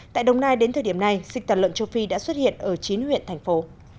tại đồng nai đến thời điểm này dịch tả lợn châu phi đã xuất hiện ở chín huyện thành phố